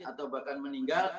atau bahkan meninggal